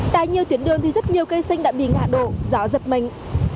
tại nhiều tuyến đường thì rất nhiều cây xanh đã bị ngã đổ gió giật mình